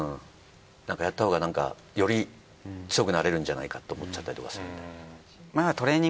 なんかやったほうがより強くなれるんじゃないかって思っちゃったりとかするんだよ。